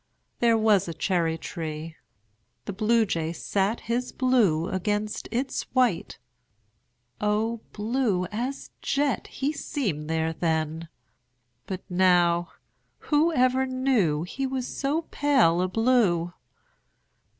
There was a cherry tree. The Bluejay sat His blue against its white O blue as jet He seemed there then! But now Whoever knew He was so pale a blue!